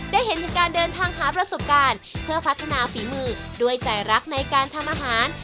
ได้เห็นถึงการเดินทางหาประสบการณ์เพื่อพัฒนาฝีมือด้วยใจรักในการทำอาหาร